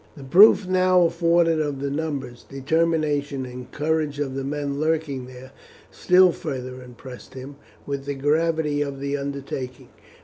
The proof now afforded of the numbers, determination, and courage of the men lurking there still further impressed him with the gravity of the undertaking.